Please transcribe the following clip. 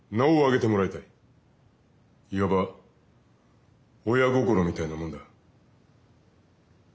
いわば親心みたいなもんだ。